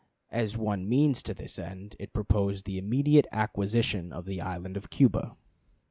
As one means to this end, it proposed the immediate acquisition of the island of Cuba.